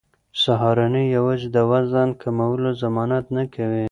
سهارنۍ یوازې د وزن کمولو ضمانت نه کوي.